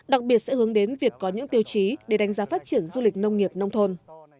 đặc biệt sẽ hướng đến việc có những tiêu chí để đánh giá phát triển du lịch nông nghiệp nông thôn